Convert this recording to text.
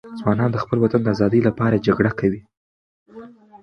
ځوانان د خپل وطن د آزادي لپاره جګړه کوي.